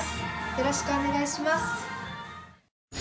よろしくお願いします。